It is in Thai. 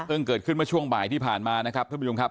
เกิดขึ้นเมื่อช่วงบ่ายที่ผ่านมานะครับท่านผู้ชมครับ